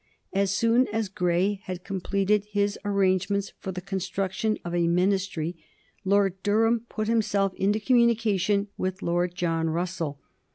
As soon as Grey had completed his arrangements for the construction of a Ministry, Lord Durham put himself into communication with Lord John Russell.